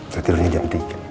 saya tidurnya jam tiga